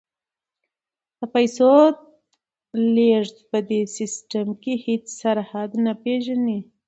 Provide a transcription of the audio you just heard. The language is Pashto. د پیسو لیږد په دې سیستم کې هیڅ سرحد نه پیژني.